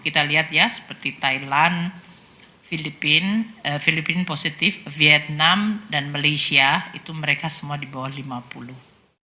kita lihat ya seperti thailand filipina positif vietnam dan malaysia itu mereka semua di bawah lima puluh